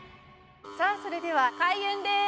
さあそれでは開演です。